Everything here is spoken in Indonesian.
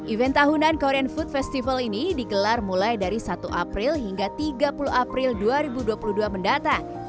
event tahunan korean food festival ini digelar mulai dari satu april hingga tiga puluh april dua ribu dua puluh dua mendatang